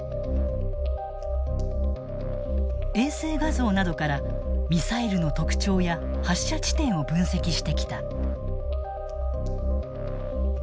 衛星画像などからミサイルの特徴や発射地点を分析してきた。